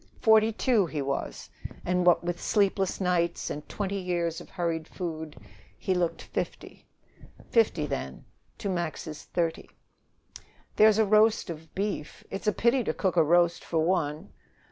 Forty two he was, and, what with sleepless nights and twenty years of hurried food, he looked fifty. Fifty, then, to Max's thirty. "There's a roast of beef. It's a pity to cook a roast for one."